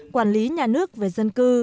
quản lý nhà nước